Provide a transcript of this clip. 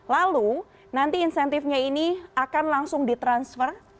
lalu nanti insentifnya ini akan langsung ditransfer